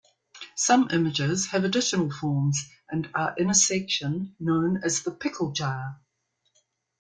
Some images have additional forms and are in a section known as the "Picklejar".